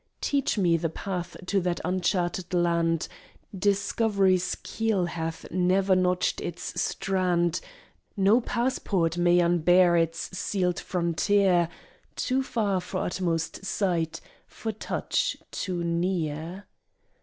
Teach me the path to that uncharted land; Discovery's keel hath never notched its strand, No passport may unbar its sealed frontier, Too far for utmost sight, for touch too near.